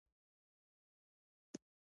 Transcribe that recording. ستا هست او نیست زه یم او زه هم ستا څخه ولاړه شم.